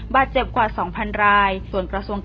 บาดเจ็บกว่า๒๐๐๐รายจริง